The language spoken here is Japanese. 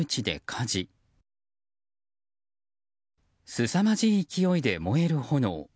すさまじい勢いで燃える炎。